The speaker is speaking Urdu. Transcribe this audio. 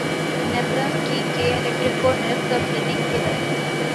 نیپرا کی کے الیکٹرک کو نرخ کم کرنے کی ہدایت